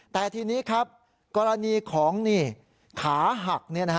แต่ทีนี้ครับกรณีของขาหัก